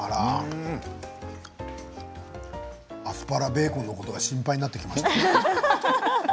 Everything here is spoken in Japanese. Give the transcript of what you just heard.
アスパラベーコンのことが心配になってきました。